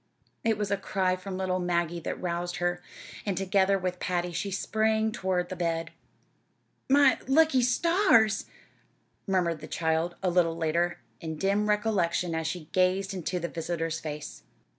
It was a cry from little Maggie that roused her, and together with Patty she sprang toward the bed. "My lucky stars!" murmured the child, a little later, in dim recollection as she gazed into the visitor's face.